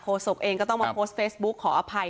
ศกเองก็ต้องมาโพสต์เฟซบุ๊กขออภัย